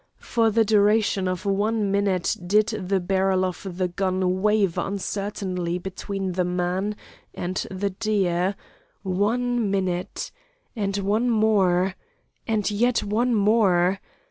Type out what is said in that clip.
For the duration of one minute did the barrel of the gun waver uncertainly between the man and the deer, one minute and one more and yet one more.